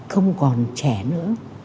không còn trẻ nữa